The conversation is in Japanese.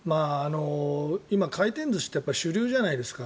今、回転寿司って主流じゃないですか。